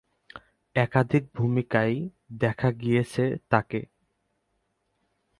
একাধিক ভূমিকায় দেখা গিয়েছে তাঁকে।